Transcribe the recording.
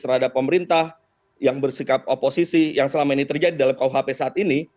terhadap pemerintah yang bersikap oposisi yang selama ini terjadi dalam kuhp saat ini